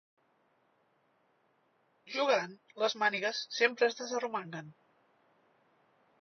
Jugant, les mànigues sempre es desarromanguen.